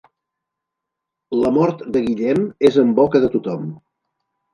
La mort de Guillem és en boca de tothom.